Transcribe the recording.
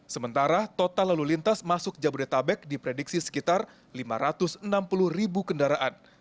sementara total lalu lintas masuk jabodetabek diprediksi sekitar lima ratus enam puluh ribu kendaraan